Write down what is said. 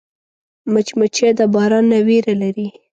مچمچۍ د باران نه ویره لري